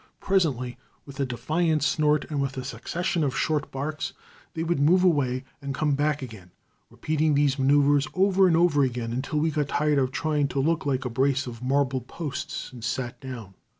Presently, with a defiant snort, and with a succession of short barks, they would move away and come back again, repeating these manoeuvers over and over again, until we got tired of trying to look like a brace of marble posts and sat down.